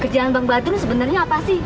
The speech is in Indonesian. kerjaan bang badrun sebenarnya apa sih